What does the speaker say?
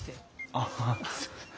あすいません。